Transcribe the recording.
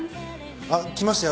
あっきましたよ